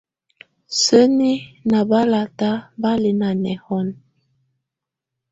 Sǝ́ni ná balata bá lɛ ná nɛhɔnɔ.